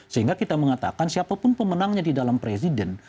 sehingga kita mengatakan siapapun pemenangnya di dalam presiden